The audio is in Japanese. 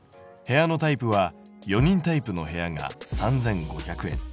部屋のタイプは４人タイプの部屋が３５００円。